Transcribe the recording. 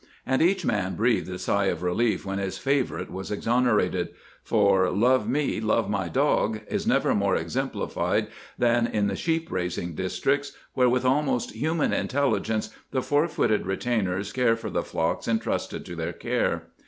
And each man breathed a sigh of relief when his favorite was exonerated, for "Love me, love my dog" is never more exemplified than in the sheep raising districts, where, with almost human intelligence, the four footed retainers care for the flocks entrusted to their care.